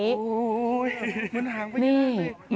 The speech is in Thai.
โอ้โฮมันห่างไปจริง